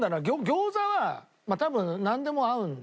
餃子は多分なんでも合うので。